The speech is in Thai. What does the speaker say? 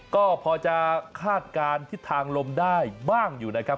ก็พอจะคาดการณ์ทิศทางลมได้บ้างอยู่นะครับ